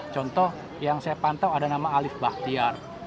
contoh yang saya pantau ada nama alif bahtiar